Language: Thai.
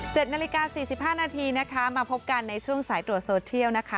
เจ็ดนาฬิกา๔๕นาทีนะคะมาพบกันในช่วงสายตรวจโซเทียลนะคะ